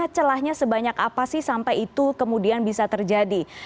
celahnya sebanyak apa sih sampai itu kemudian bisa terjadi